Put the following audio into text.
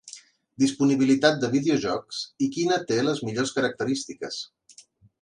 Disponibilitat de videojocs i quina té les millors característiques.